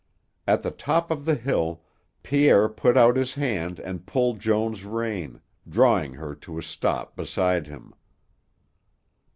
At the top of the hill, Pierre put out his hand and pulled Joan's rein, drawing her to a stop beside him.